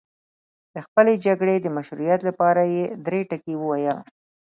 د خپلې جګړې د مشروعیت لپاره یې درې ټکي وویل.